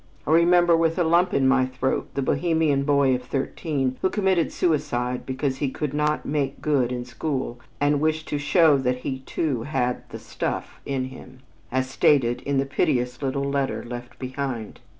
I remember with a lump in my throat the Bohemian boy of thirteen who committed suicide because he could not "make good" in school, and wished to show that he too had "the stuff" in him, as stated in the piteous little letter left behind.